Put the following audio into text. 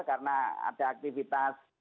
karena ada aktivitas